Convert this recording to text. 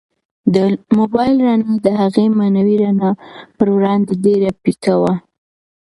د موبایل رڼا د هغې معنوي رڼا په وړاندې ډېره پیکه وه.